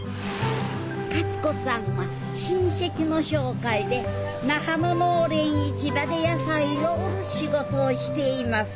勝子さんは親せきの紹介で那覇の農連市場で野菜を売る仕事をしています。